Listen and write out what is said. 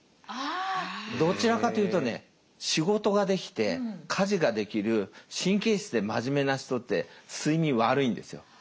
どちらかというとね仕事ができて家事ができる神経質でまじめな人って睡眠悪いんですよ。